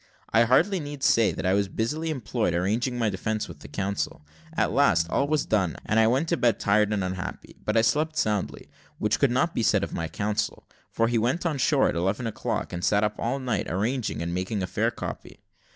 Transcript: I hardly need say that I was busily employed arranging my defence with my counsel. At last all was done, and I went to bed tired and unhappy; but I slept soundly, which could not be said of my counsel, for he went on shore at eleven o'clock, and sat up all night, arranging and making a fair copy.